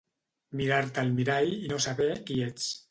Mirar-te al mirall i no saber qui ets